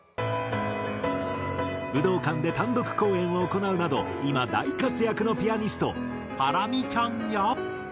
武道館で単独公演を行うなど今大活躍のピアニストハラミちゃんや。